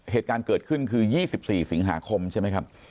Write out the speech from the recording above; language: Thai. เหตุการณ์เกิดขึ้นคือ๒๔สิงหาคมใช่ไหมครับ